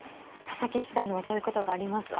佐々木七段でもそういうことがありますか。